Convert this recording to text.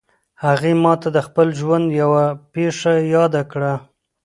هغې ما ته د خپل ژوند یوه پېښه یاده کړه